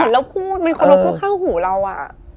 เห็นแล้วพูดมันคนลุกข้างหูเราอ่ะ